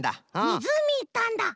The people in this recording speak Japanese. みずうみいったんだ！